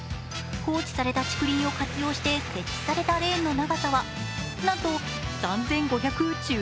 放置された竹林を活用して設置されたレーンの長さはなんと３５１５ｍ。